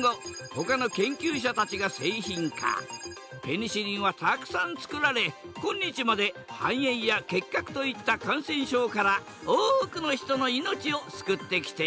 ペニシリンはたくさんつくられ今日まで肺炎や結核といった感染症から多くの人の命を救ってきている。